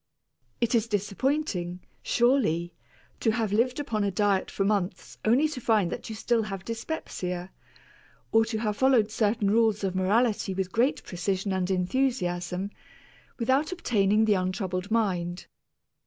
It is disappointing, surely, to have lived upon a diet for months only to find that you still have dyspepsia, or to have followed certain rules of morality with great precision and enthusiasm without obtaining the untroubled mind.